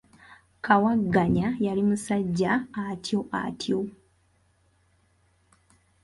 Kawaganya yali musajja atyo atyo.